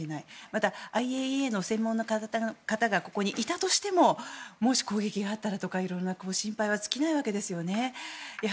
また、ＩＡＥＡの専門家の方がここにいたとしてももし攻撃があったらとか色んな心配は尽きないわけですよね。